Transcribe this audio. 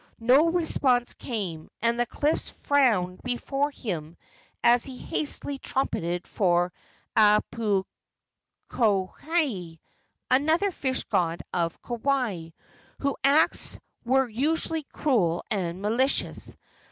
No response came, and the cliffs frowned before him as he hastily trumpeted for Apukohai, another fish god of Kauai, whose acts were usually cruel and malicious.